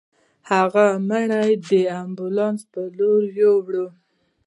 هغوی مړی د امبولانس په لورې يووړ.